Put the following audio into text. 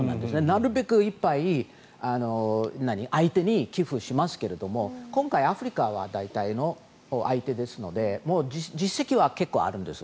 なるべくいっぱい相手に寄付しますけども今回アフリカは大体の相手ですので実績は結構あるんです。